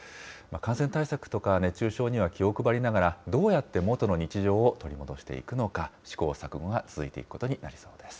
感染対策とか、熱中症には気を配りながら、どうやって元の日常を取り戻していくのか、試行錯誤が続いていくことになりそうです。